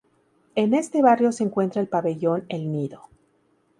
En este barrio se encuentra el pabellón el Nido.